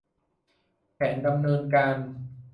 แผนดำเนินการ